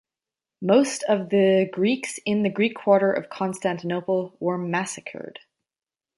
Most of the Greeks in the Greek quarter of Constantinople were massacred.